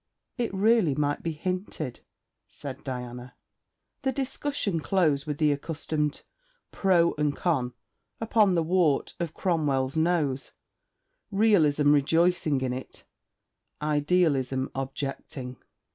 'It really might be hinted,' said Diana. The discussion closed with the accustomed pro and con upon the wart of Cromwell's nose, Realism rejoicing in it, Idealism objecting.